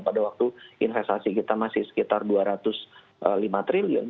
pada waktu investasi kita masih sekitar dua ratus lima triliun